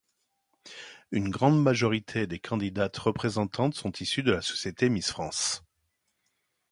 Une grande majorité des candidates représentantes sont issues de la société Miss France.